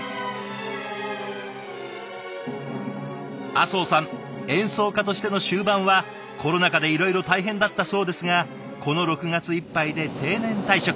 阿相さん演奏家としての終盤はコロナ禍でいろいろ大変だったそうですがこの６月いっぱいで定年退職。